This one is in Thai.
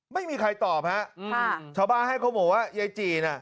ไม่มีใครตอบนะครับชาวบ้านให้โขโหมว่าเย้ยจีนะ